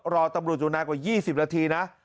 รอตำรวจอยู่นานกว่า๒๐นาทีนะ